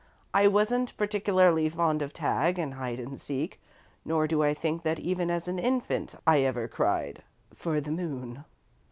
I wasn't particularly fond of tag and hide and seek, nor do I think that even as an infant I ever cried for the moon."